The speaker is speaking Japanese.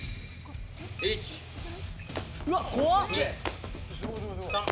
「うわ怖っ！」